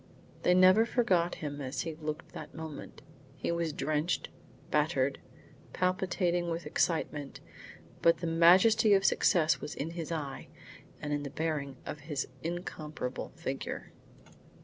They never forgot him as he looked at that moment. He was drenched, battered, palpitating with excitement; but the majesty of success was in his eye and in the bearing of his incomparable figure.